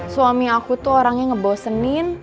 suami aku tuh orangnya ngebosenin